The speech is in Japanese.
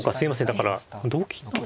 だから同金。